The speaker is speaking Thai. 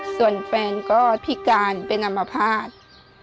ส่วนแฟนก็พิการเป็นอำมาภาษณ์